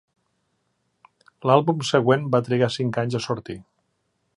L'àlbum següent va trigar cinc anys a sortir.